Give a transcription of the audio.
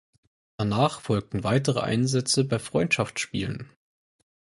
Danach folgten weitere Einsätze bei Freundschaftsspielen.